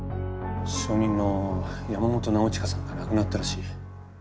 証人の山本尚親さんが亡くなったらしい。